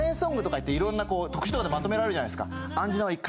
いろんなこう特集とかでまとめられるじゃないですか。